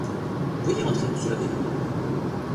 Veuillez entrer, monsieur l'abbé.